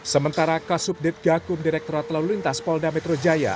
sementara kasubdit gakum direkturat lalu lintas polda metro jaya